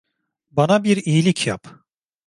Bana bir iyilik yap.